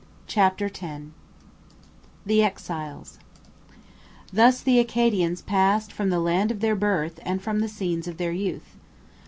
CHAPTER X THE EXILES Thus the Acadians passed from the land of their birth and from the scenes of their youth.